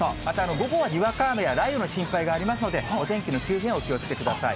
午後はにわか雨や雷雨の心配がありますので、お天気の急変、お気をつけください。